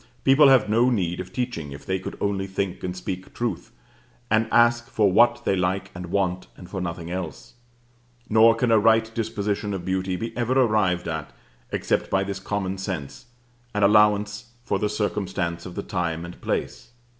People have no need of teaching if they could only think and speak truth, and ask for what they like and want, and for nothing else: nor can a right disposition of beauty be ever arrived at except by this common sense, and allowance for the circumstances of the time and place.